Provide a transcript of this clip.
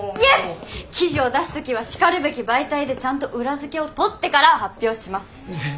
記事を出す時はしかるべき媒体でちゃんと裏付けをとってから発表します。